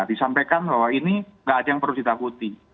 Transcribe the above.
disampaikan bahwa ini nggak ada yang perlu ditakuti